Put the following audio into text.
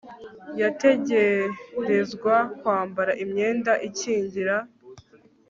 yategerezwa kwambara imyenda ikingira